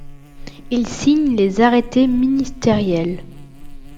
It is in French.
Il signe les arrêtés ministériels.